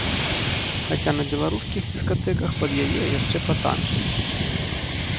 Хаця на беларускіх дыскатэках пад яе яшчэ патанчаць.